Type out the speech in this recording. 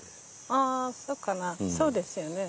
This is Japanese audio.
ああそうかなそうですよね。